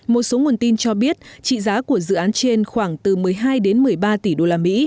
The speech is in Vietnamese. một số nguồn tin cho biết trị giá của dự án trên khoảng từ một mươi hai đến một mươi ba tỷ usd